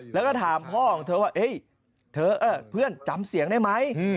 แล้วก็ถามพ่อของเธอว่าเฮ้ยเพื่อนจำเสียงได้ไหม